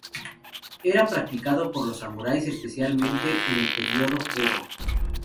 Era practicado por los samuráis, especialmente en el periodo Edo.